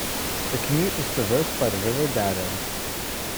The commune is traversed by the river Dadou.